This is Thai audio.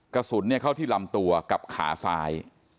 กระสุนเข้าที่ลำตัวกับขาซ้าย